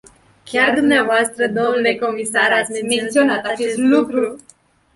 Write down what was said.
Chiar dvs., dle comisar, ați menționat acest lucru.